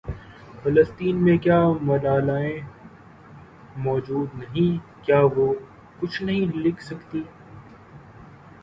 فلسطین میں کیا ملالائیں موجود نہیں کیا وہ کچھ نہیں لکھ سکتیں